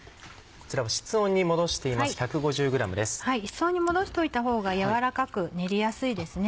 室温に戻しておいたほうが柔らかく練りやすいですね。